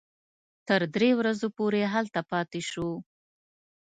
تر درې ورځو پورې هلته پاتې شوو.